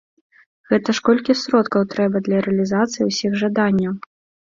Гэта ж колькі сродкаў трэба для рэалізацыі ўсіх жаданняў!